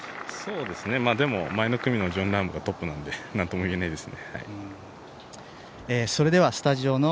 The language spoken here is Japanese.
でも前の組のジョン・ラームがトップなんで何ともいえないですね。